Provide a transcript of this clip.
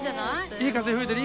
いい風吹いてる。